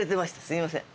すいません。